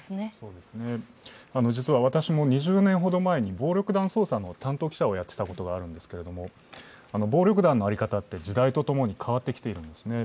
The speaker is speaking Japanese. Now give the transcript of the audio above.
実は私も２０年ほど前に暴力団捜査の担当記者をやっていたことがあるんですけど、暴力団の在り方って時代とともに変わってきているんですね。